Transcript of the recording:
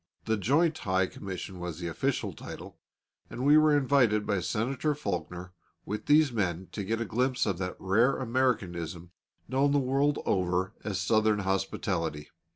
The Joint High Commission was the official title, and we were invited by Senator Faulkner with these men to get a glimpse of that rare Americanism known the world over as Southern hospitality.